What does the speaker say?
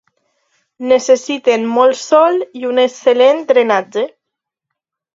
Necessiten molt Sol i un excel·lent drenatge.